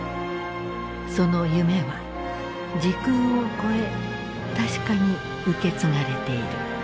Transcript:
その夢は時空を超え確かに受け継がれている。